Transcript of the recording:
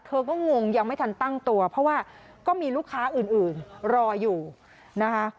เธอก็งงยังไม่ทันตั้งตัวเพราะว่าก็มีลูกค้าอื่นรออยู่นะคะ